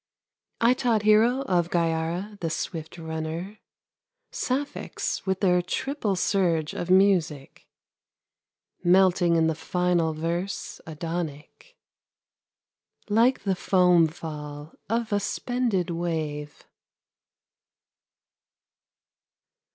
I taught Hero, of Gyara, the swift runner, Sapphics with their triple surge of music Melting in the final verse Adonic, Like the foam fall of a spended wave.